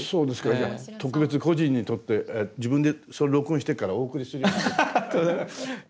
じゃ特別個人に録って自分でそれを録音してからお送りするようにします。